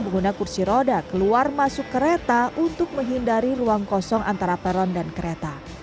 pengguna kursi roda keluar masuk kereta untuk menghindari ruang kosong antara peron dan kereta